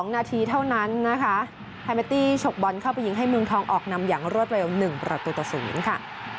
๒นาทีเท่านั้นนะคะแฮเมตตี้ฉกบอลเข้าไปยิงให้เมืองทองออกนำอย่างรวดเร็ว๑ประตูต่อ๐ค่ะ